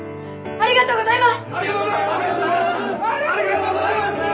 ありがとうございます！